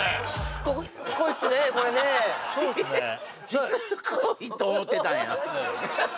しつこいと思ってたんや。